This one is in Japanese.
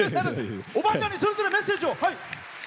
おばあちゃんにそれぞれメッセージを。